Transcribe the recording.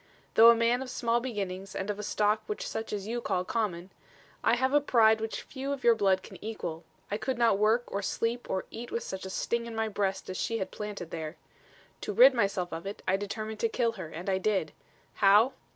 Though a man of small beginnings and of a stock which such as you call common, I have a pride which few of your blood can equal. I could not work, or sleep or eat with such a sting in my breast as she had planted there. To rid myself of it, I determined to kill her, and I did. How?